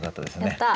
やった。